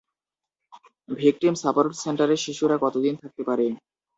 Victim support সেন্টারে শিশুরা কত দিন থাকতে পারে?